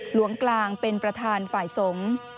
หลวงกลางเป็นประธานฝ่ายสงฆ์